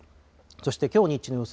そしてきょう日中の予想